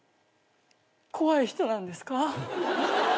怖い人なんですか？